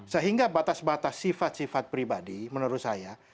sehingga batas batas sifat sifat pribadi menurut saya